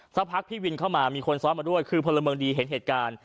สักพักพี่วินเข้ามามีคนซ้อนมาด้วยคือพลเมืองดีเห็นเหตุการณ์